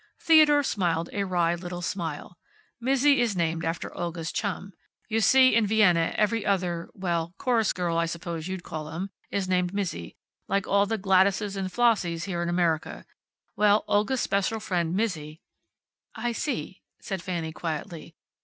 Theodore smiled a wry little smile. "Mizzi is named after Olga's chum. You see, in Vienna every other well, chorus girl I suppose you'd call them is named Mizzi. Like all the Gladyses and Flossies here in America. Well, Olga's special friend Mizzi " "I see," said Fanny quietly.